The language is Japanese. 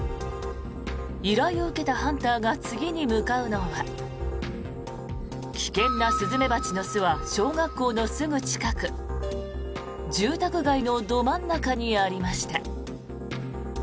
依頼を受けたハンターが次に向かうのが危険なスズメバチの巣は小学校のすぐ近く住宅街のど真ん中にありました。